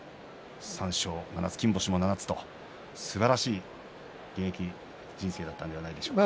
三賞７つ、金星も７つというすばらしい現役人生だったんじゃないでしょうか。